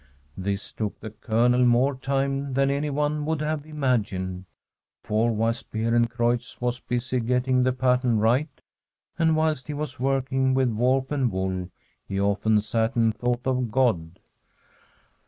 This took the Colonel more time than anyone would have imagined ; for whilst Beerencreutz was busy getting the pattern right, and whilst he was working with warp and woof, he often sat and thought of God.